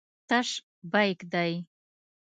تش بیک دی.